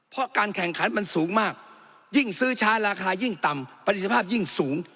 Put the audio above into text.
เพราะการแข่งขันมันสูงมากยิ่งซื้อช้าราคายิ่งต่ำประสิทธิภาพยิ่งสูง